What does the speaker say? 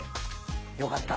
よかった。